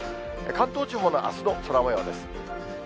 関東地方のあすの空もようです。